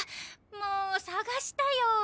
もう捜したよ！